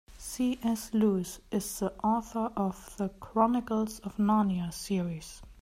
C.S. Lewis is the author of The Chronicles of Narnia series.